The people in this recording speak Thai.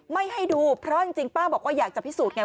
ไม่ให้ดูเพราะจริงป้าบอกว่าอยากจะพิสูจนไง